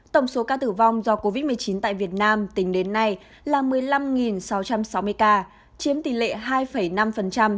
tổng số ca tử vong do covid một mươi chín tại việt nam tính đến nay là một mươi năm sáu trăm sáu mươi ca